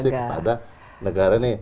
terima kasih kepada negara ini